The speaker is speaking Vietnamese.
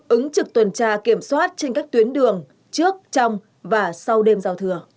ứng trực tuần tra kiểm soát trên các tuyến đường trước trong và sau đêm giao thừa